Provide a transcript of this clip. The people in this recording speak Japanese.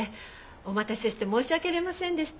お待たせして申し訳ありませんでした。